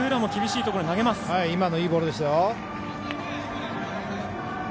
いいボールでしたよ。